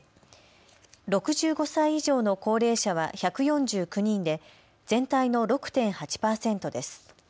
６５歳以上の高齢者は１４９人で全体の６．８％です。